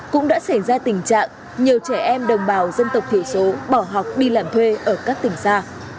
cũng đã xảy ra tình trạng nhiều trẻ em đồng bào dân tộc thiểu số bỏ học đi làm thuê ở các tỉnh xa